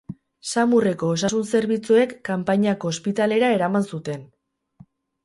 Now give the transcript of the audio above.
Samurreko osasun zerbitzuek kanpainako ospitalera eraman zuten.